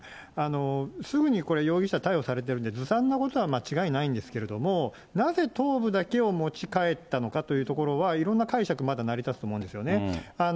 すぐにこれ、容疑者逮捕されてるんで、ずさんなことは間違いないんですけれども、なぜ頭部だけを持ち帰ったのかというところは、いろんな解釈、まだ成り立つと思うんですよね。